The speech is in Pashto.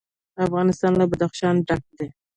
افغانستان له بدخشان ډک دی.